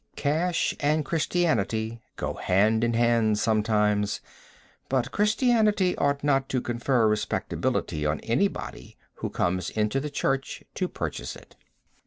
Cash and Christianity go hand in hand sometimes, but Christianity ought not to confer respectability on anybody who comes into the church to purchase it.